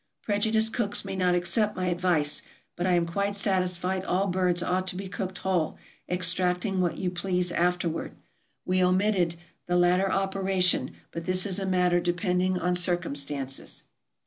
Prejudiced cooks may not accept my advice, but I am quite satisfied all birds ought to be cooked whole, extracting what you please afterward. We omitted the latter operation, but this is a matter depending on cir cumstances.